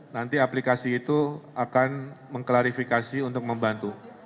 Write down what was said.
nanti aplikasi itu akan mengklarifikasi untuk membantu